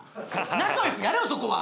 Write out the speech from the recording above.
仲よくやれよそこは。